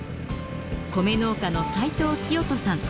米農家の斎藤聖人さん。